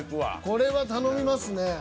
これは頼みますね。